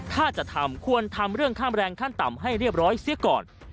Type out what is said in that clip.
ถ้าจะทำควรทำเรื่องข้ามแรงขั้นต่ำให้เรียบร้อยเสียก่อน